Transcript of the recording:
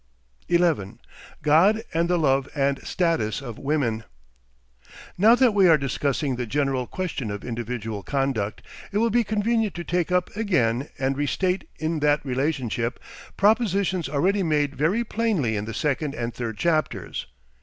11. GOD AND THE LOVE AND STATUS OF WOMEN Now that we are discussing the general question of individual conduct, it will be convenient to take up again and restate in that relationship, propositions already made very plainly in the second and third chapters.